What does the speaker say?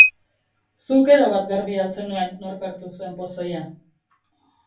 Zuk erabat garbi al zenuen nork hartu zuen pozoia?